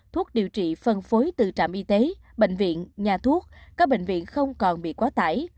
thuốc điều trị phân phối từ trạm y tế bệnh viện nhà thuốc các bệnh viện không còn bị quá tải